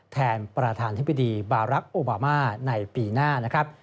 แทนประธานธิบดีบารักษ์โอบามาในปีหน้านะครับ